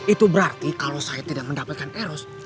itu berarti kalau saya tidak mendapatkan eros